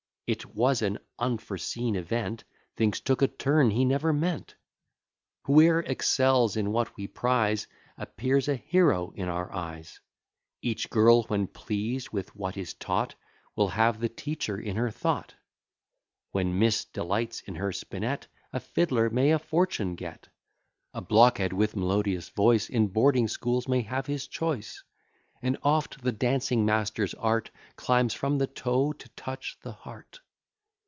It was an unforeseen event; Things took a turn he never meant. Whoe'er excels in what we prize, Appears a hero in our eyes; Each girl, when pleased with what is taught, Will have the teacher in her thought. When miss delights in her spinet, A fiddler may a fortune get; A blockhead, with melodious voice, In boarding schools may have his choice: And oft the dancing master's art Climbs from the toe to touch the heart.